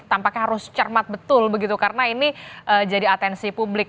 tampaknya harus cermat betul begitu karena ini jadi atensi publik